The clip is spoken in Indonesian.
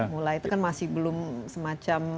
mulai itu kan masih belum semacam